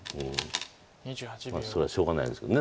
まあそりゃしょうがないですけど。